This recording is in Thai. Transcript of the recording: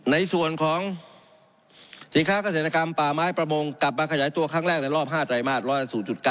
ในส่วนของสินค้าเกษตรกรรมป่าไม้ประมงกลับมาขยายตัวครั้งแรกในรอบ๕ไตรมาสร้อยละ๐๙